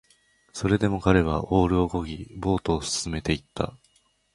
それでも彼はオールを漕ぎ、ボートを進めていった